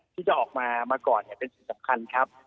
ที่จะออกมามาก่อนเป็นสิ่งสำคัญครับ